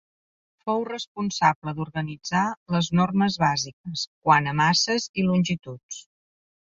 Fou responsable d'organitzar les normes bàsiques, quant a masses i longituds.